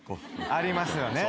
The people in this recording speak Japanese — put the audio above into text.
ありますよね。